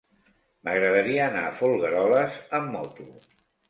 M'agradaria anar a Folgueroles amb moto.